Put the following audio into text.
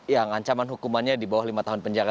yang ancaman hukumannya di bawah lima tahun penjara